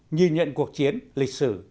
nhìn nhận cuộc chiến lịch sử